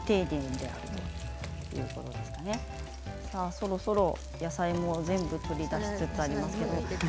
そろそろ野菜も全部取り出しつつあります。